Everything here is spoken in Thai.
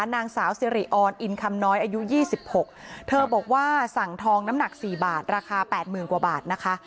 นางสาวสิริออนอินคำน้อยอายุ๒๖เธอบอกว่าสั่งทองน้ำหนัก๔บาทราคา๘๐๐๐กว่าบาทนะคะ